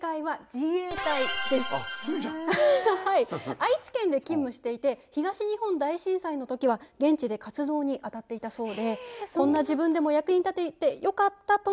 愛知県で勤務していて東日本大震災の時は現地で活動に当たっていたそうでこんな自分でも役に立ててよかったとのことです。